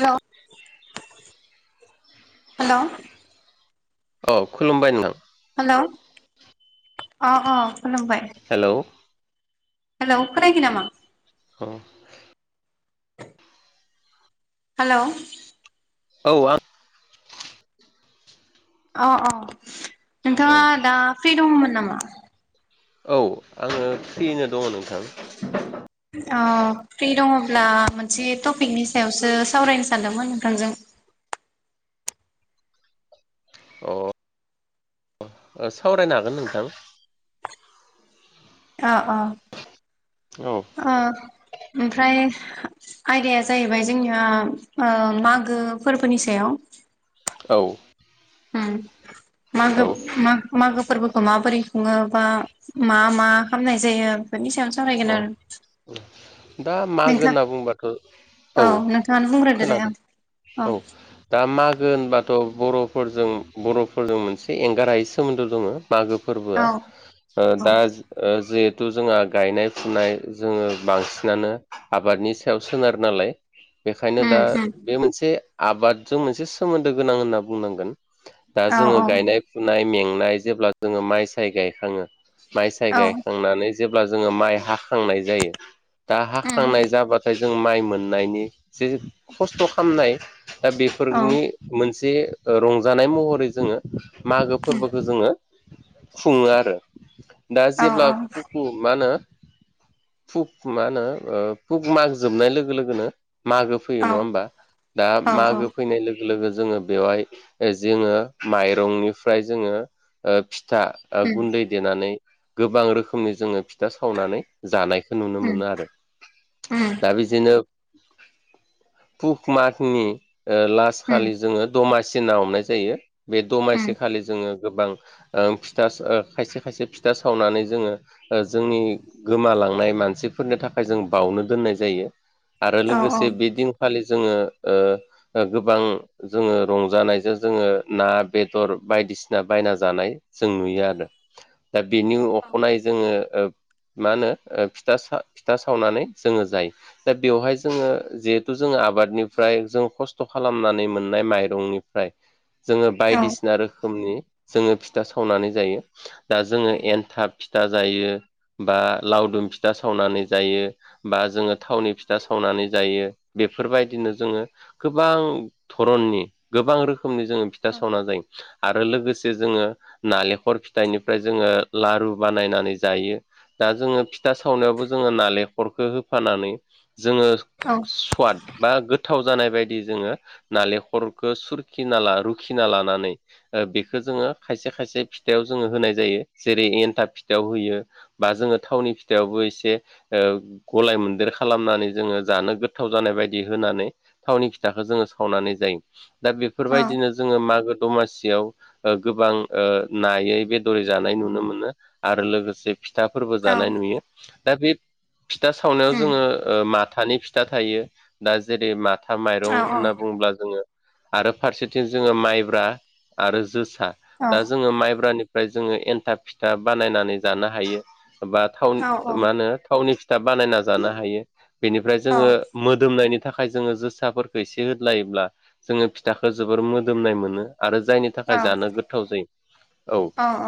Hello hello औ खुलुमबाय नोंथां। हेल' अ अ खुलुमबाय। हेलौ हेलौ खोनायाखै नामा? औ। हेलौ औ आं अ अ नोंथाङा औ दा फ्रि दङमोन नामा? औ आङो फ्रियैनो दङ नोंथां। अ फ्रि दङब्ला मोनसे टपिकनि सायावसो सावरायनो सानदोंमोन नोंथांजों। अ ओ सावरायनो हागोन नोंथां। अ अ। औ ओ ओमफ्राय आयदाया जाहैबाय जोंनिया ओ मागो फोरबोनि सायाव। औ। उम मागो औ म मागो फोरबोखौ माबोरै खुङो बा मा मा खालामनाय जायो? बेफोरनि सायावनो अ सावरायगोन आरो। दा मागो नोंथां होनना बुंबाथ' औ नोंथाङानो बुंग्रोदो दे खोनादों। औ आतसा दा मागो होनबा थ' बर'फोरजों बर'फोरजों मोनसे एंगारायै सोमोन्दो दङ मागो फोरबोआ। औ ओ दा ओ जिहेथु जोंहा गायनाय फुनाय जोङो बांसिनानो आबादनि सायाव सोनारो नालाय? बेखायनो दा बे मोनसे आबादजों मोनसे सोमोन्दो गोनां होनना बुंनांगोन। दा जोङो गायनाय फुनाय मेंनाय जेब्ला जोङो माइ साय गायखाङो माइ साइ गायखांनानै जेब्ला जोङो माइ हा खांनाय जायो दा हाखांनाय जाबाथाय जों माइ मोननायनि जे खस्थ' खालामनाय दा बेफोरनि मोन से रंजानाय महरै जोङो मागो फोरबोखौ जोङो खुङो आरो। दा जेब्ला मा होनो फु मा होनो ओ फुग माग जोबनाय लोगो लोगोनो मागो फैयो नङा होमबा? दा मागो फैनाय लोगो लोगो जोङो बेवहाय जोङो माइरंनिफ्राय जोङो ओ फिथा गुन्दै देनानै गोबां रोखोमनि जोङो फिथा सावनानै जानायखौ नुनो मोनो आरो, दा बिदिनो फुख मागनि ओ लास्ट खालि जोङो दमा सि होनना हमनाय जायो बे दमासे खालि जोङो गोबां ओ फिथा ओ खायसे खायसे फिथा सावनानै जोङो ओ जोंनि गोमालांनाय मानसिफोरनि थाखाय जों बावनो दोननाय जायो। आरो लोगोसे बे दिनखालि जोङो ओ ओ गोबां जोङो रंजानायजों जोङो ना बेदर बायदिसिना बायना जानाय जों नुयो आरो दा बेनि अखानायै' जोङो मा होनो फि फिथा सावनानै जोङो जायो दा बेवहाय जोङो जिहेथु जोंहा आबादनिफ्राय जों खस्थ' खालामनानै मोननाय माइरंनिफ्राय जोङो बायदिसिना रोखोमनि जोङो फिथा सावनानै जायो दा जोङो एन्थाब, फिथा जायो । बा लावदुम फिथा सावनानै जायो बा जोङो थावनि फिथा सावनानै जायो । बेफोरबायदिनो जोङो गोबां धरननि गोबां रोखोम जोङो फिथा सावना जायो आरो लोगोसे जोङो नालेंखर फिथाइनिफ्राय जोङो लारु बानायनानै जायो दा जोङो फिथा सावनायावबो जोङो नालेंखरखौ होफानानै । जोङो सवाद बा गोथाव गोथाव जानाय बायदि जोङो नालेंखरखौ सुरखिना ला रुखिना लानानै बेखौ जों जो खायसे खायसे फिथाइाव जोङो होनाय जायो जेरै एन्थाब, फिथायाइाव होयो बा जोङो थावनि फिथायाइावबो एसे गलाय मोनदेर खालामनानै जोङो जानो गोथाव जानाय बायदि होनानै थावनि खिथाखौ जोङो सावनानै जायो। दा बेफोरबायदिनो जोङो मागो, दमासियाव गोबां नायै बेदर जानाय नुनो मोनो । आरो लोगोसे फिथाफोरबो जानाय नुयो दा बे फिथा सावनायाव जोङो माथानि फिथा थायो दा जेरै मा था माइरं होनना बुङोब्ला जोङो आरो फारसेथिं जोङो माइब्रा आरो जोसा सा जोङो माइब्रानिफ्राय जोङो एन्था फिथा बानायनानै जानो हायो । बा थाव मा होनो थावनि फिथा बानायना जानो हायो । बेनिफ्राय जोङो मोदोमनायनि बेनि थाखाय जोङो जोसाफोरखौ एसे होद्लायोब्ला जोङो फिथाखौ जोबोर मोदोमनाय मोनो । आरो जायनि थाखाय जानो गोथाव जायो औ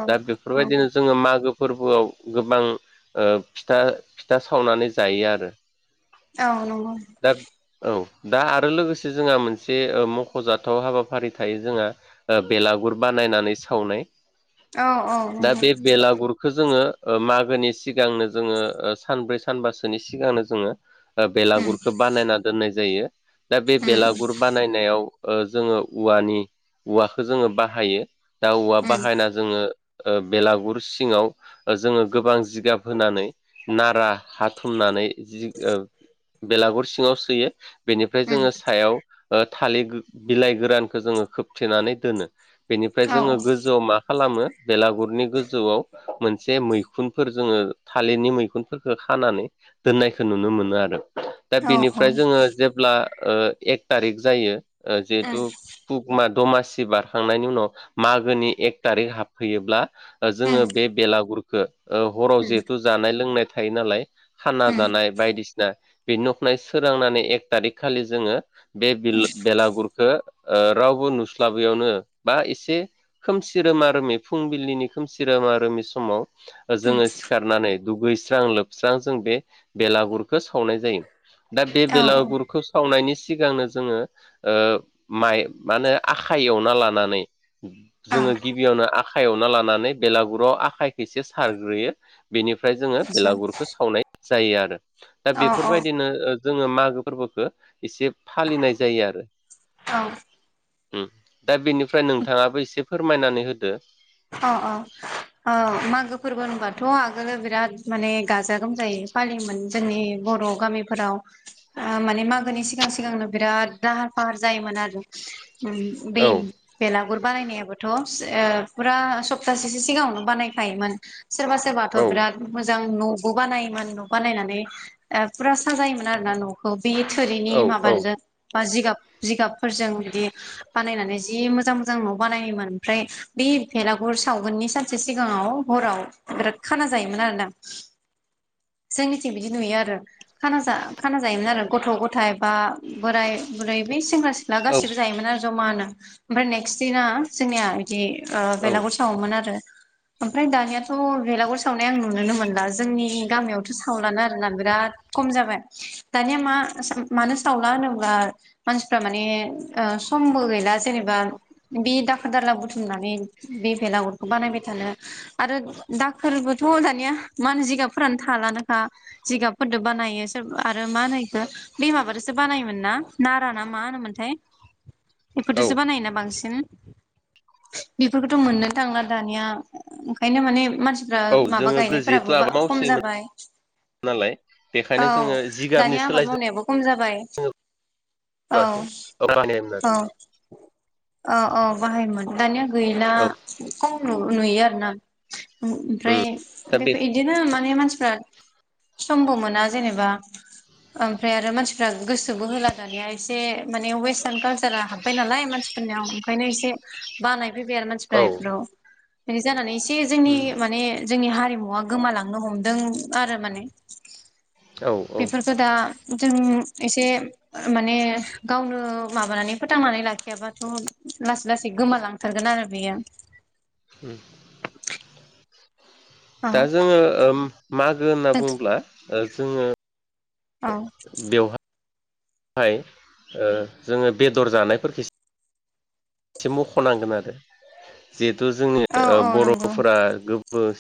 दा बेफोरबायदिनो जोङो मागो फोरबोआव गोबां फिथा फिथा सावनानै जायो आरो। औ नंगौ दा । औ दा आरो लोगोसे जोंहा मोनसे मख'जाथाव हाबाफारि थायो जोंहा बेलागुर बानाय नायनानै सावनाय । औ औ औ । बे बेलागुरखौ जोङो मागोनि सिगांनो जोङो सानब्रै सानबासोनि सिगांनो जोङो । बेलागुरखौ बानायना दोननाय जायो। दा बे बेलागुर बानायनायाव जोङो औवानि औवाखौ जोङो बाहायो । दा औवा बाहायना जोङो बेलागुर सिङाव जोङो गोबां जिगाब होनानै नारा हाथुमनानै, जि बेलागुर सिङाव सोयो बेनिफ्राय जोङो सायाव थालिर बिलाइ गोरानखौ जोङो खोबथेनानै दोनो । बेनिफ्राय जोङो गोजौआव मा खालामो बेलागुर नि गोजौआव मोनसे मैखुनफोर जोङो थालिरनि मैखुनफोरखौ खानानै दोननाय । नुनो मोनो आरो दा बेनिफ्राय जोङो जेब्ला एक थारिक जायो। जिहेतु फक मान दमासि बारखांनायनि उनाव मागोनि एक थारिख हाबफैयोब्ला। जोङो बे बेलागुरखौ हराव जिहेथु जानाय लोंनाय थायो नालाय खाना जानाय बायदिसिना बे नखानायै सोरांनानै एक थारिख खालि जोङो बे बेलागुरखौ रावबो नुस्लाबैयावनो बा एसे खोमसि रोमा रोमै फुंबिलिनि खोमसि रोमा रोमि समाव जोङो सिखारनानै। दुगैस्रां लोबस्रां जों बे बेलागुरखौ सावनाय जायो। दा बे बेलागुरखौ सावनायनि सिगांनो जोङो माइ माने आखाइ एवना लानानै जोङो गिबियावनो आखाइयावना लानानै बेलागुराव आखाइखौ एसे सारग्रोयो बेनिफ्राय जोङो बेलागुरखौ सावनाय जायो आरो दा औ बेफोरबायदिनो जोङो मागो फोरबोखौ एसे फालिनाय जायो आरो औ दा बेनिफ्राय नोंथाङाबो एसे फोरमायनानै होदो अ अ मागो फोरबो होनबाथ' आगोलो बिराद माने गाजा गोमजायै फालियोमोन जोंनि बर' गामिफोराव माने मागोनि सिगां सिगांनो बिराद लाहार फाहार जायोमोन आरो बे औ बेलागुर बानायायनायाबोथ' फुरा सप्तासेसो सिगाङावनो बानायखायोमोन सोरबा सोरबाथ' औ बिराद मोजां न'बो बानायोमोन न' बानायनानै फुरा साजायोमोन आरो ना न'खौ बे थोरिनि औ औ माबाजों बा जिगाब जिगाबफोरजों बिदि बानायनानै जि मोजां मोजां न' बानायोमोन ओमफ्राय बे भेलागुर सावगोननि सानसे सिगाङाव हराव बिराद खाना जायोमोन आरो ना जोंनिथिं बिदि नुयो आरो खाना जा खाना जायोमोन आरो गथ' गथाय बा बोराय बुरै बे सेंग्रा सिख्ला गासैबो जायोमोन आरो जमा नो ओमफ्राय नेक्स्ट दिना जोंनिया बिदि औ बेलागुर सावोमोन आरो ओमफ्राय दानियाथ' बेलागुर सावनाय आं नुुनोनो मोनला जोंनि गामियावथ' सावलानो आरोना बिराद खम जाबाय दानिया मा मानो सावला होनोब्ला मानसिफ्रा माने समबो गैला जेनेबा बे दाखोर दाला बुथुमनानै बे बेलागुरखौ बानायबाय थानो आरो दाखोरबोथ' दानिया मान जिगाब फोरानो थालानोखा जिगाबफोरदो बानायो सोर आरो मा होनो बेखौ बेमााबादोसो बानायोमोन ना नारा ना मा होनोमोनथाय औ बेफोरदसो बानायोना बांसिन बेफोरखौथ' मोननो थाङा दानिया ओंखायनो माने मानसि मानसिफ्रा औ माबा जोङो गो जिहेथु गायनायफोराबो आबाद खम मावसोयोमोन जाबाय नालाय औ बेखायनो जोङो दानि जिगाबनि आबाद सोलाय जों मावनायाबो खम जाबाय औ बांसिन बाहायोमोन आरो औ औ औ बाहायोमोन दानिया गैला औ खम नुयो आरो ना ओमफ्राय बे बिदिनो माने मानसिफ समबो मोना जेनेबा ओमफ्राय आरो मानसिफ्रा गोसोबो होला दानिया एसे माने वेस्टार्न कालसारा हाबबाय नालाय मानसि नियाव ओंखायनो एसे बानाय फैबाय आरो मानसिफ्रा औ बेफोराव जानानै एसे जे जोंनि उम माने जोंनि हारिमुवा गोमालांनो हमदों आरो माने औ औ बेफोरखौ दा जों एसे माने गावनो माबानानै फोथांनानै लाखियाबाथ' लासै लासै गोमालांथारगोन आरो बियो उम औ दा जोङो मागो होनना बुङ्ला जोङो औ बेवहाय बेहाय जोङो बेदर जानायफोरखौ एसे मख'नांगोन आरो जिहेथु जोंनि औ औ नंगौ बर'फोरा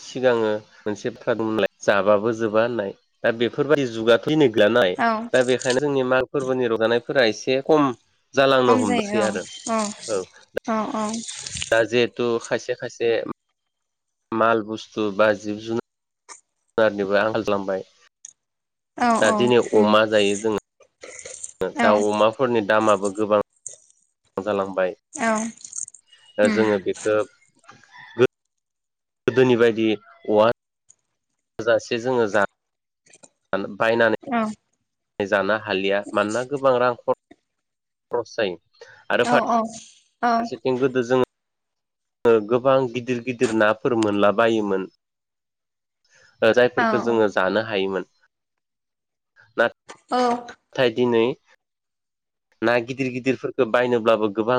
सिगाङो मोनसे बाथ्रा दंमोनलाय जाबाबो जोबा होननाय दा बेफोरबायाददि जुगाथ' [unintelligible] लानाय औ दा बेखायनो जोंनि माग फोरबोनि रंजानायफोरा एसे खम जालांनो हमनोसै आरो औ अ अ दा जिहेतु खायसे खायसे माल बस्तु बा जिब जुनार जुनारनिबो आंखाल खालामबाय औ दा दिनै अमा जायो जोङो ओ औ दाउ अमाफोरनि दामाबो गोबां जालांबाय औ औ ओ जोङो बेखौ गोदोनि बायदि औवा थोजासे जोङो जा बायनानै जानो हालिया मानोना गोबां रां खर [unintelligible] जायो। आरो औ औ फारसेथिं गोदो जोङो ओ गोबां गिदिर गिदिर नाफोर मोनलाबायोमोन ओ जायफोरखौ जोङो जानो हायोमोन ना थाय दिनै ना गिदिर गिदिरफोरखौ बायनोब्लाबो गोबां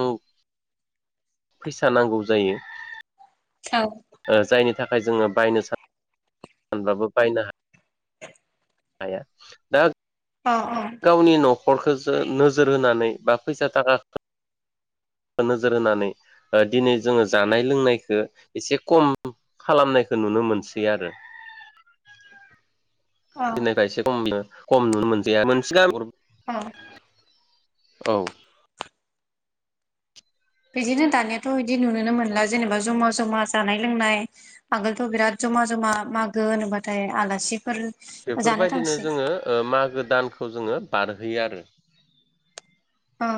फैसा नांगौ जायो। ओ जायनि थाखाय जोङो बायनो सा [unintelligible] बाबो बायनो हा हाया दा अ औ न'खरखसो नोजोर होनानै बा फैसा थाखा खो नोजोर होनानै ओ दिनै जोङो जानाय लोंनायखो एसे खम खालामनायखौ नुनो मोनसै आरो [inaudible] [unintelligible] औ। एसे खम खम नुनो मोनसै मोनसे [unintelligible] औ औ बिदिनो दानियाथ' बिदि नुनोनो मोनला। जेनेबा जमा जमा जानाय लोंनाय आगोलथ' बिराद जमा जमा मागो होनोबाथाय आलासि बेफोरबायदिनो जोङो ओ मागो दानखौ जोङो बारहोयो आरो औ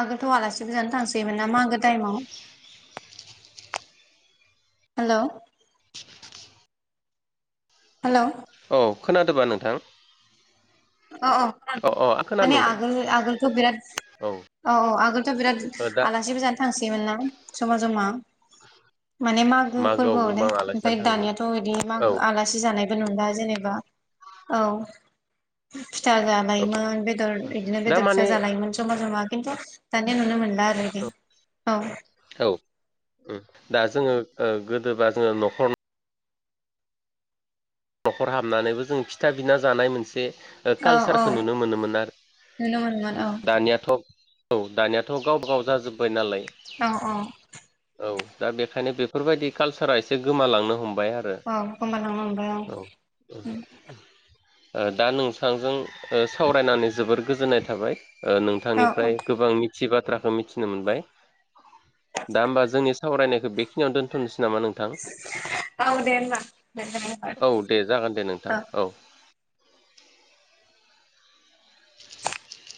आगोलथ' आलासि गोजानो थांसैयोमोन ना मागो टाइमाव हेल' हेल' अ औ खोनादोंबा नोंथां? अ अ औ औ आं खोनादों माने नोंथां आगोल आगोलखौ बिराट औ औ आगोलथ' बिराद ओ दा आलासिबो जानो थांसोयोमोनना जमा जमा माने मागो मागोआव फोरबोआव दे गोबां आलासि जानो ओमफ्राय थाङोमोन दानियाथ' बिदि औ मागो आलासि जानाय बो नुला जेनेबा औ फिथा औ जालायोमोन बेदर बिदिनो दा बेदर फिसा माने जालायोमोन जमा ज'मा खिन्थु दानिया नुनो मोन औ औ दा जोङो ओ गोदोबा जोङो न'खर न'खर हाबनानैबो जों फिथा बिना जानाय मोनसे औ औ कालसारखौ नुनो मोनोमोन आरो नुनो मोनोमोन औ दानियाथ' औ दानियाथ' गावबा गाव जाजोब्बाय नालाय औ औ औ दा बेखायनो बेफोरबायदि कालसारा एसे गोमालांनो हम औ गोमालांनो हमबाय औ [inaudible] दा नोंथांजों सावरायनानै जोबोर गोजोननाय थाबाय। ओ औ नोंथांनिफ्राय गोबां मिथियै बाथ्राखौ मिथिनो मोनबाय। दा होमबा जोंनि सावरायनायखौ बेखिनियावनो दोनथ'नोसै। नामा नोंथां औ देे होनबा। औ दे जागोन दे नोंथां औ। [inaudible]